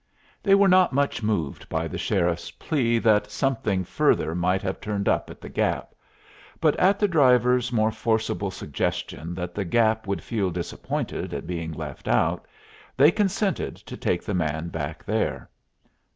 They were not much moved by the sheriff's plea that something further might have turned up at the Gap; but at the driver's more forcible suggestion that the Gap would feel disappointed at being left out, they consented to take the man back there.